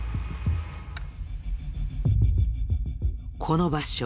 この場所